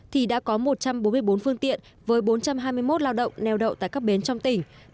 thì đã có một trăm bốn mươi bốn phương tiện với bốn trăm hai mươi một lao động neo đậu tại các bến trong tỉnh